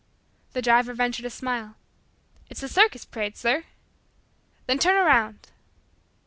The driver ventured a smile, "It's the circus parade, sir." "Then turn around."